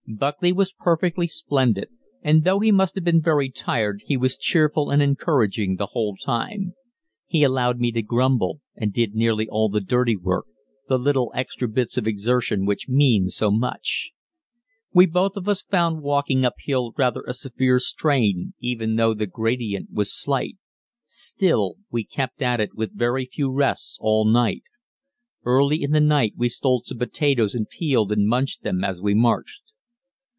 Buckley was perfectly splendid, and though he must have been very tired, he was cheerful and encouraging the whole time. He allowed me to grumble, and did nearly all the dirty work, the little extra bits of exertion, which mean so much. We both of us found walking uphill rather a severe strain, even though the gradient was slight; still, we kept at it with very few rests all night. Early in the night we stole some potatoes and peeled and munched them as we marched.